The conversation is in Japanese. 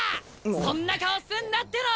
そんな顔すんなっての！